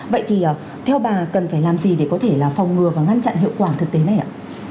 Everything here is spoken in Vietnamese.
vậy thì theo bà cần phải làm gì để có thể là phòng ngừa và ngăn chặn hiệu quả thực tế này ạ